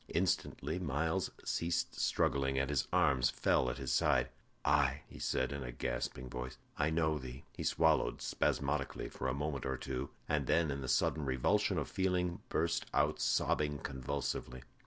Instantly Myles ceased struggling, and his arms fell at his side. "Aye," he said, in a gasping voice, "I know thee." He swallowed spasmodically for a moment or two, and then, in the sudden revulsion of feeling, burst out sobbing convulsively.